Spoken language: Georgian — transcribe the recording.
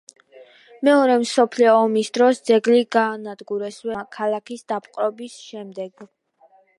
მეორე მსოფლიო ომის დროს ძეგლი გაანადგურეს ვერმახტის ძალებმა ქალაქის დაპყრობის შემდეგ.